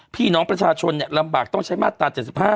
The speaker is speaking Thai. พี่น้องประชาชนลำบากต้องใช้มาตรา๗๕